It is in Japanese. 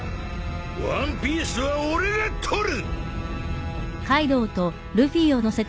ワンピースは俺が取る！